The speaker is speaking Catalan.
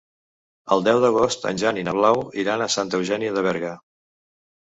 El deu d'agost en Jan i na Blau iran a Santa Eugènia de Berga.